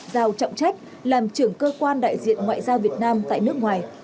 giao trọng trách làm trưởng cơ quan đại diện ngoại giao việt nam tại nước ngoài